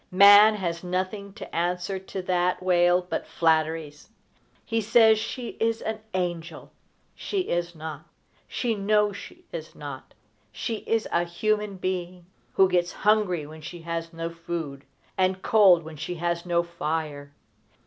Man has nothing to answer to that wail but flatteries. He says she is an angel. She is not. She knows she is not. She is a human being, who gets hungry when she has no food, and cold when she has no fire.